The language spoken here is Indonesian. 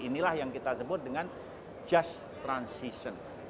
inilah yang kita sebut dengan just transition